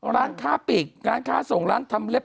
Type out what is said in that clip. ร้านค้าปีกร้านค้าส่งร้านทำเล็บ